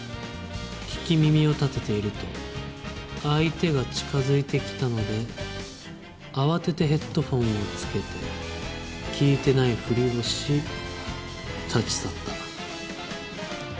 聞き耳を立てていると相手が近づいてきたので慌ててヘッドホンをつけて聞いてないふりをし立ち去った。